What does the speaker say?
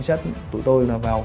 xét tụi tôi là vào